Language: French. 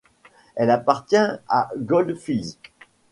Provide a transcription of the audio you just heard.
Elle appartient à Gold Fields.